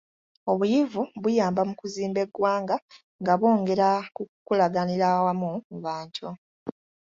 Obuyivu buyamba mu kuzimba eggwanga nga bwongera ku kukolaganira awamu mu bantu.